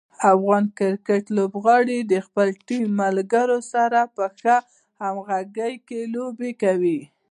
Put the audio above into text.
افغان کرکټ لوبغاړي د خپلو ټیم ملګرو سره په ښه همغږي کې لوبې کوي.